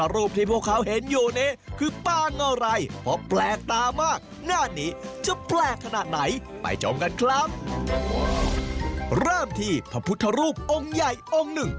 เริ่มที่พระพุทธรูปองค์ใหญ่องค์หนึ่ง